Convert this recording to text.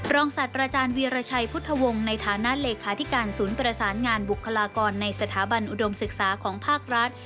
ศาสตราจารย์วีรชัยพุทธวงศ์ในฐานะเลขาธิการศูนย์ประสานงานบุคลากรในสถาบันอุดมศึกษาของภาครัฐ